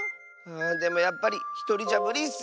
でもやっぱりひとりじゃむりッス！